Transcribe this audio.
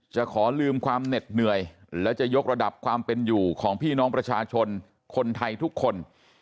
ขอลืมความเหน็ดเหนื่อยและจะยกระดับความเป็นอยู่ของพี่น้องประชาชนคนไทยทุกคน